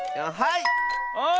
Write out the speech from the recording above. はい！